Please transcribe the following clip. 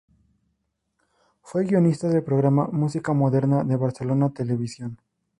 Fue guionista del programa Música moderna, de Barcelona Televisió.